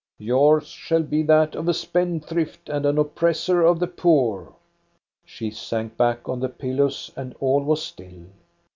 Yours shall be that of a spendthrift and an oppressor of the poor." She sank back on the pillows, and all was still.